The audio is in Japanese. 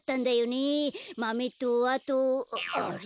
マメとあとあれ？